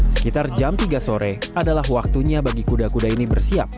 sekitar jam tiga sore adalah waktunya bagi kuda kuda ini bersiap